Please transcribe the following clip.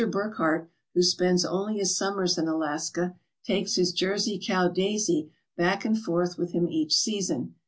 Burckhardt, who spends only his summers in Alaska, takes his Jersey cow, Daisy, back and forth with him each season.